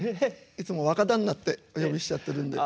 いつも若旦那ってお呼びしちゃってるんで。